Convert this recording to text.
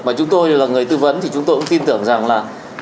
và chúng tôi là người tư vấn thì chúng tôi cũng tin tưởng rằng là